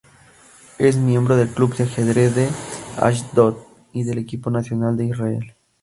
Es miembro del club de ajedrez de Ashdod y del equipo nacional de Israel.